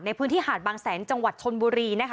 ในพื้นที่หาดบางแสนจังหวัดชนบุรีนะคะ